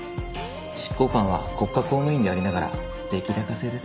執行官は国家公務員でありながら出来高制ですから。